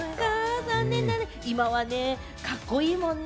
残念だね、今はね、カッコいいもんね。